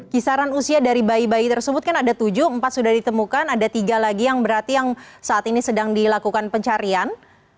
kisaran usia dari bayi bayi tersebut kan ada tujuh empat sudah ditemukan ada tiga lagi yang berarti yang saat ini sedang dilakukan pencarian